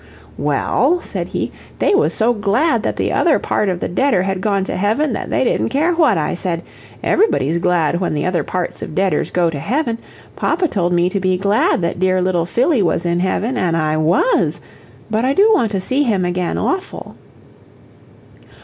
"Well," said he, "they was so glad that the other part of the deader had gone to heaven that they didn't care WHAT I said. Ev'rybody's glad when the other parts of deaders go to heaven. Papa told me to be glad that dear little Phillie was in heaven, an' I WAS, but I do want to see him again awful."